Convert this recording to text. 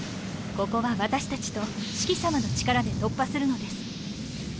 ここは私たちとシキさまの力で突破するのです。